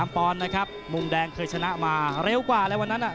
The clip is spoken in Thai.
๑๑๓ปองนะครับมุ่งแดงเคยชนะมาเร็วกว่าละวันนั้นนะ